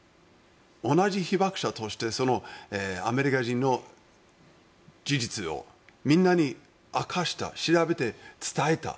同じ被爆者としてアメリカ人の事実をみんなに明かした調べて伝えた。